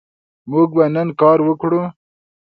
موږ به نن کار وکړو